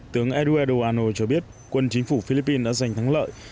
tướng eduardo ano cho biết quân chính phủ philippines đã giành thắng lợi